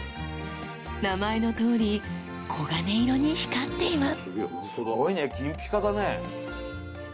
［名前のとおり黄金色に光っています］